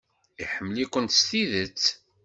Iḥemmel-ikent s tidet.